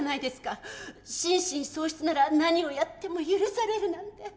心神喪失なら何をやっても許されるなんて。